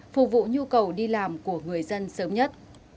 phục vụ nhu cầu đi làm của người dân sớm nhất